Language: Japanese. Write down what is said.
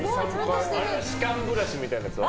歯間ブラシみたいなやつは？